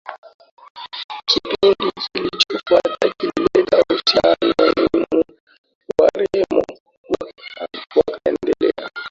Kipindi kilichofuata kilileta uhusiano mgumu Wareno wakaendelea